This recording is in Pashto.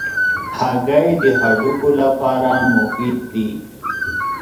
هګۍ د هډوکو لپاره مفید دي.